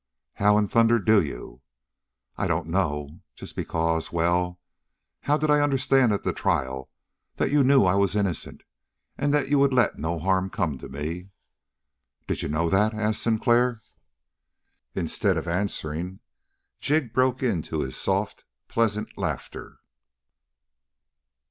"How in thunder do you?" "I don't know. Just because well, how did I understand at the trial that you knew I was innocent, and that you would let no harm come to me?" "Did you know that?" asked Sinclair. Instead of answering, Jig broke into his soft, pleasant laughter.